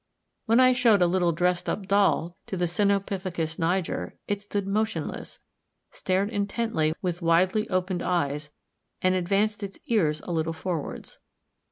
When I showed a little dressed up doll to the Cynopithecus niger, it stood motionless, stared intently with widely opened eyes, and advanced its ears a little forwards.